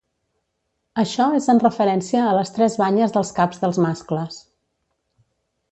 Això és en referència a les tres banyes dels caps dels mascles.